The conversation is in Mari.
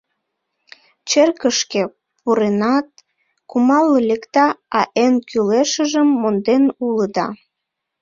Черкышке пуренат, кумал лекда, а эн кӱлешыжым монден улыда...